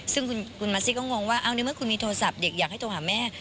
ซึ่งคุณมัสซี่ก็งงว่าในเมื่อคุณมีโทรศัพท์เด็กอยากให้โทรหาแม่